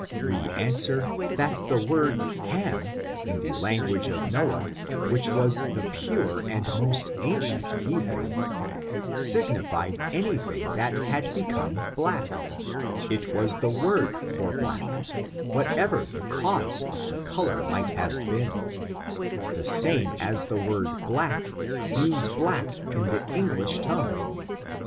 We answer, that tlie word Ham, in the language of Noah, which was the pure and most ancient Hebrew, signified any thing that had become bkuJc; it was the word for black, what ever the cause of the color might have been, the same as the word black, means black in the English tongue.